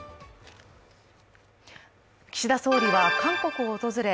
岸田総理は、韓国を訪れ